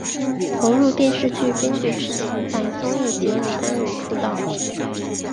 投入电视剧编剧之前在综艺节目担任出道。